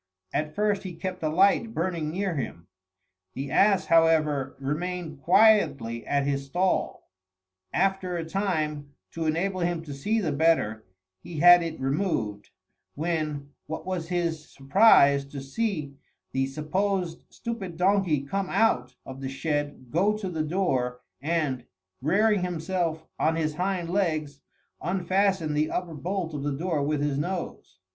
At first he kept a light burning near him. The ass, however, remained quietly at his stall. After a time, to enable him to see the better, he had it removed, when what was his surprise to see the supposed stupid donkey come out of the shed, go to the door, and, rearing himself on his hind legs, unfasten the upper bolt of the door with his nose.